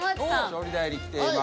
調理台に来ています。